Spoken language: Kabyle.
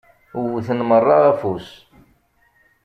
Wwten meṛṛa afus.